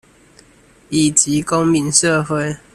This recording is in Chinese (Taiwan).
以及公民社會